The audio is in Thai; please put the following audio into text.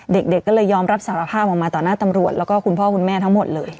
เด็กก็เลยยอมรับสารภาพออกมาต่อหน้าตำรวจแล้วก็คุณพ่อคุณแม่ทั้งหมดเลย